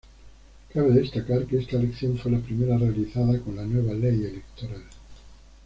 Cabe destacar que esta elección fue la primera realizada con la nueva ley electoral.